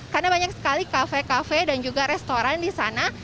karena banyak sekali kafe kafe dan juga restoran di sana